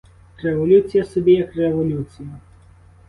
Революція собі, як революція.